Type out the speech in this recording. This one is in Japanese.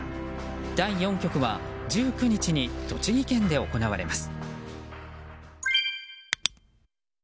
第４局は１９日に栃木県で行われます。